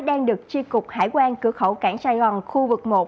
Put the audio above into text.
đang được tri cục hải quan cửa khẩu cảng sài gòn khu vực một